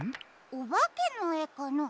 おばけのえかな？